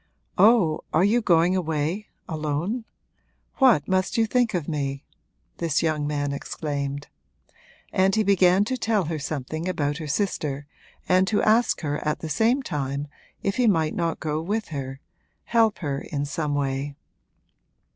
'Oh, are you going away, alone? What must you think of me?' this young man exclaimed; and he began to tell her something about her sister and to ask her at the same time if he might not go with her help her in some way.